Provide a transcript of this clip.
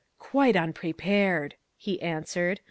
"Quite unprepared," he answered.